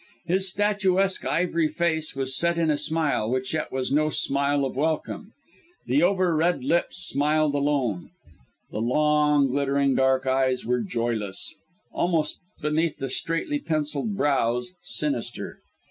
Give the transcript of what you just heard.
His statuesque ivory face was set in a smile, which yet was no smile of welcome; the over red lips smiled alone; the long, glittering dark eyes were joyless; almost, beneath the straightly pencilled brows, sinister.